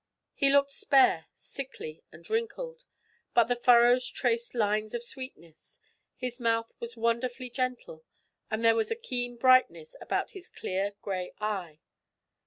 He looked spare, sickly, and wrinkled, but the furrows traced lines of sweetness, his mouth was wonderfully gentle, and there was a keen brightness about his clear grey eye.